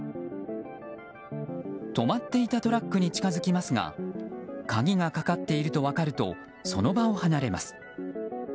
止まっていたトラックに近づきますが鍵がかかっていると分かるとその場を離れます。